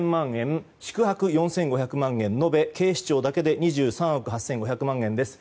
宿泊４５００万円延べ、警視庁だけで２３億８５００万円です。